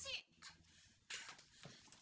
setelah keer nih